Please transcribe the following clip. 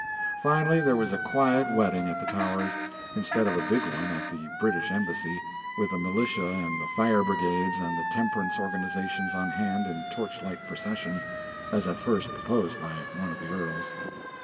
Finally there was a quiet wedding at the Towers, instead of a big one at the British embassy, with the militia and the fire brigades and the temperance organizations on hand in torchlight procession, as at first proposed by one of the earls.